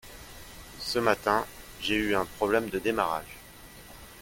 Ce matin, j’ai eu un problème de démarrage.